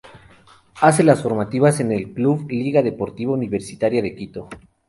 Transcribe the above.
Hace las formativas en el club Liga Deportiva Universitaria de Quito.